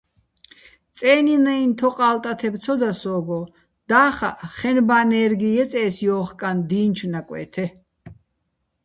წე́ნინაჲნო̆ თოყა́ლ ტათებ ცო და სო́გო, და́ხაჸ ხენბაჼ ნე́რგი ჲეწე́ს ჲო́ხკაჼ დი́ნჩო̆ ნაკვე́თე.